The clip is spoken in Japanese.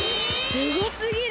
すごすぎる！